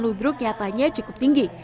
ludruk nyatanya cukup tinggi